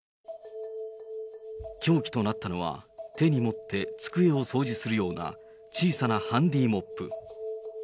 凶器となったのは、手に持って机を掃除するような小さなハンディーモップ。